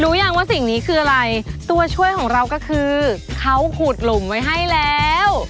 รู้ยังว่าสิ่งนี้คืออะไรตัวช่วยของเราก็คือเขาขุดหลุมไว้ให้แล้ว